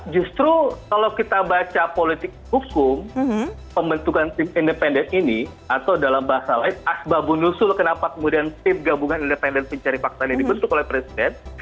justru kalau kita baca politik hukum pembentukan tim independen ini atau dalam bahasa lain asbabunusul kenapa kemudian tim gabungan independen pencari fakta ini dibentuk oleh presiden